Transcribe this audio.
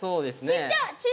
ちっちゃい。